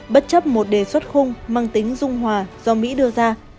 bất chấp một đề xuất khung mang tính dung hòa do mỹ đưa ra